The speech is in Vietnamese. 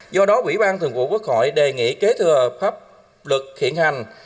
do đó ủy ban thường vụ quốc hội đề nghị kế thừa pháp luật hiện hành